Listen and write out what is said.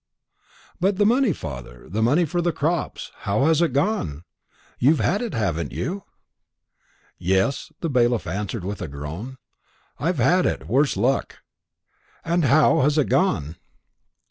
"But the money, father the money for the crops how has it gone? You had it, haven't you?" "Yes," the bailiff answered with a groan; "I've had it, worse luck." "And how has it gone?"